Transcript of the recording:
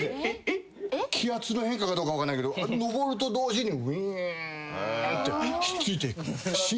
気圧の変化かどうか分かんないけどのぼると同時にうぃんってひっついていく。